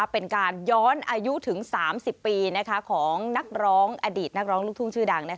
เป็นการย้อนอายุถึง๓๐ปีของนักร้องอดีตนักร้องลูกทุ่งชื่อดัง